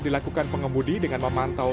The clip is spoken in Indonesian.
dilakukan pengemudi dengan memantau